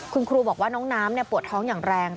คุณครูบอกว่าน้องน้ำปวดท้องอย่างแรง